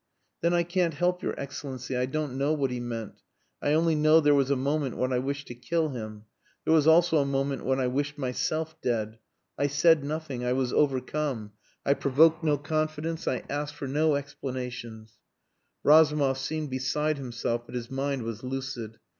"Then I can't help your Excellency. I don't know what he meant. I only know there was a moment when I wished to kill him. There was also a moment when I wished myself dead. I said nothing. I was overcome. I provoked no confidence I asked for no explanations " Razumov seemed beside himself; but his mind was lucid.